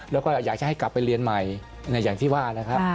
แล้วก็อยากจะให้กลับไปเรียนใหม่อย่างที่ว่านะครับ